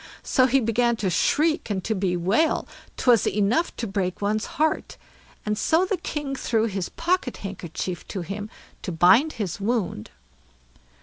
So he began to shriek and to bewail; 'twas enough to break one's heart; and so the king threw his pocket handkerchief to him to bind his wound.